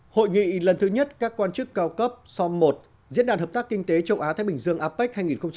hội nghị lần thứ nhất các quan chức cao cấp som một diễn đàn hợp tác kinh tế châu á thái bình dương apec hai nghìn hai mươi